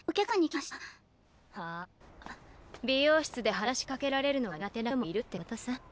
まっ美容室で話しかけられるのが苦手な人もいるってことさ。